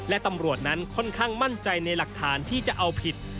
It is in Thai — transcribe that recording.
และตำรวจนั้นค่อนข้างมั่นใจในหลักฐานที่จะเอาผิด